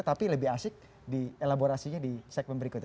tapi lebih asik di elaborasinya di segmen berikutnya